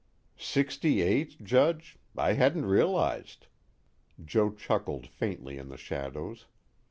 "Sixty eight, Judge? I hadn't realized." Joe chuckled faintly in the shadows.